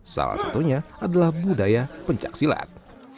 salah satunya adalah budaya pencaksilat